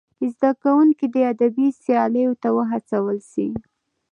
زدهکوونکي دې ادبي سیالیو ته وهڅول سي.